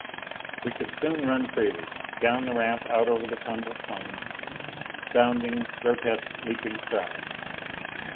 We could soon run freely. Down the ramp, out over the tumbled plain. Bounding, grotesque, leaping strides.